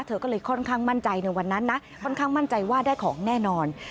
เธอก็เลยค่อนข้างมั่นใจในวันนั้นนะค่อนข้างมั่นใจว่าได้ของแน่นอน